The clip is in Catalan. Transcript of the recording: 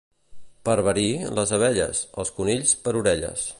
Per verí, les abelles; els conills, per orelles.